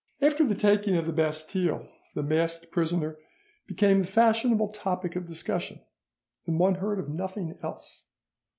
After the taking of the Bastille the masked prisoner became the fashionable topic of discussion, and one heard of nothing else.